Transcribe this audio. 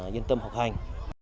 yên tâm học hành